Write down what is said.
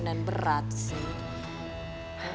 dan berat sih